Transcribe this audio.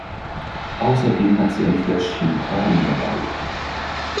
Außerdem hat sie ein Fläschchen Korn dabei.